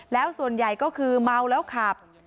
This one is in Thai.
แล้วส่วนใหญ่ก็คือเมาแล้วขับ